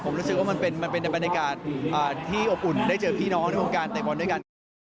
ผมรู้สึกว่ามันเป็นบรรยากาศที่อบอุ่นได้เจอพี่น้องในวงการเตะบอลด้วยกันครับ